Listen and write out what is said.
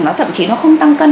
nó thậm chí nó không tăng cân